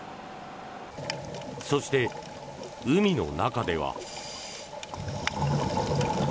そして、海の中では。